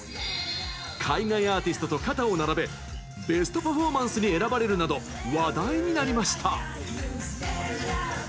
海外アーティストと肩を並べベストパフォーマンスに選ばれるなど話題になりました。